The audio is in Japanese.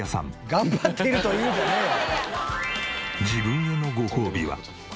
「頑張ってるという」じゃねえわ。